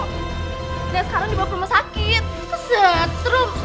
nah sekarang dibawa ke rumah sakit ke setrum